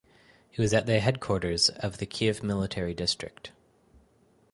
He was at the headquarters of the Kiev military district.